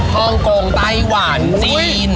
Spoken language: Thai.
ฮ่องกงไต้หวันจีน